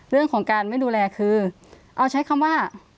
เราใช้คำว่า